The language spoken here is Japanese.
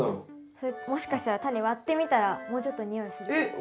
それもしかしたらタネ割ってみたらもうちょっと匂いするかも。